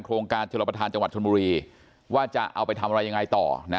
โครงการชนประธานจังหวัดชนบุรีว่าจะเอาไปทำอะไรยังไงต่อนะ